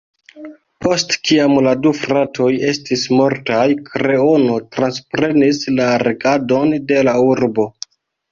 Post kiam la du fratoj estis mortaj, "Kreono" transprenis la regadon de la urbo.